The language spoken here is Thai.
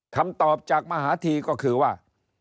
คำตอบจากมหาธีก็คือว่า